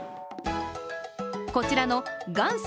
こちらの元祖！